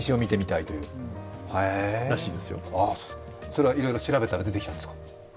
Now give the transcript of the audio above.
それはいろいろ調べたら出てきたんですか？